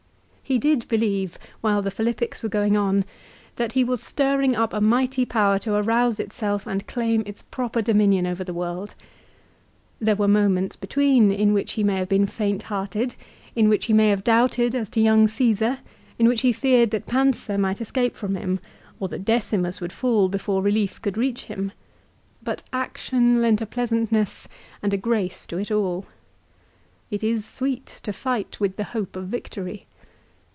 He did believe, while the Philippics were going on, that he was stirring up a mighty power to arouse itself and claim its proper dominion over the world. There were moments between in which he may have been faint hearted, in which he may have doubted as to young Caesar, in which he feared that Pansa might escape from him, or that Decimus would fall before relief could reach him ; but action lent a pleasantness and a grace to it all. It is sweet to fight with the hope of victory.